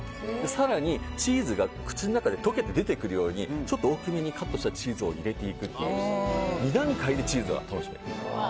更に、チーズが口の中で溶けて出てくるようにちょっと大きめにカットしたチーズを入れていくという２段階でチーズが楽しめる。